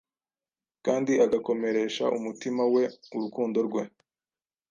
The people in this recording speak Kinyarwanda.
kandi agakomeresha umutima we urukundo rwe.